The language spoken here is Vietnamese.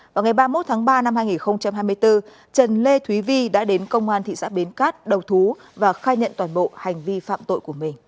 vào ngày ba mươi một tháng ba năm hai nghìn hai mươi bốn trần lê thúy vi đã đến công an thị xã bến cát đầu thú và khai nhận toàn bộ hành vi phạm tội của mình